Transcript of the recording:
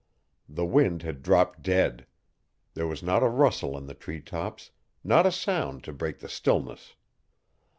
The wind had dropped dead. There was not a rustle in the tree tops, not a sound to break the stillness.